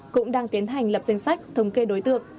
cũng đang tiến hành lập danh sách thống kê đối tượng